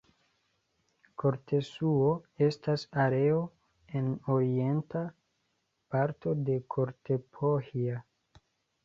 Kortesuo estas areo en orienta parto de Kortepohja.